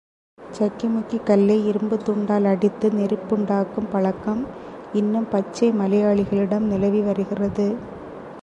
சக்கிமுக்கிக் கல்லை இரும்புத்துண்டால் அடித்து நெருப்புண்டாக்கும் பழக்கம் இன்னும் பச்சை மலையாளிகளிடம் நிலவி வருகிறது.